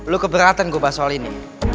lu keberatan gue bahas soal ini